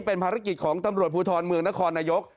เป็นธรรมนาฬิกีตของตำรวจภูทอลเมืองนครนายก